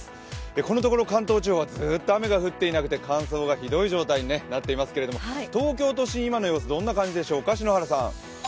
このところ関東地方はずっと雨が降っていなくて乾燥がひどい状態になっていますけれども東京都心、今の様子どんな感じでしょうか？